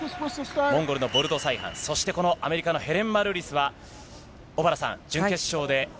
モンゴルのボルドサイハン、そしてこのアメリカのヘレン・マルーリスは小原さん、準決勝で川